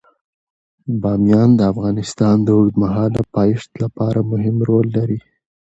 بامیان د افغانستان د اوږدمهاله پایښت لپاره مهم رول لري.